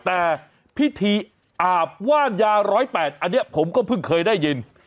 แต่พิธีอาบว่านยา๑๐๘อันนี้ผมก็เพิ่งเคยได้ยิน